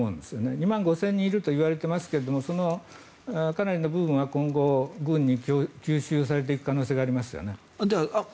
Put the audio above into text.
２万５０００人いるといわれていますがかなりの部分は今後、軍に吸収されていく可能性がありますよね。